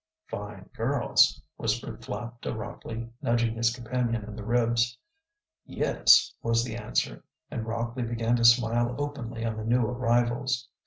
"Fine girls," whispered Flapp to Rockley, nudging his companion in the ribs. "Yes," was the answer, and Rockley began to smile openly on the new arrivals.